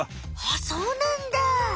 あっそうなんだ！